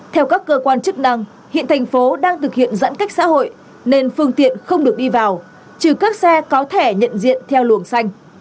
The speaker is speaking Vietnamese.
theo các cơ quan chức năng hiện thành phố đang thực hiện giãn cách xã hội nên phương tiện không được đi vào trừ các xe có thẻ nhận diện theo luồng xanh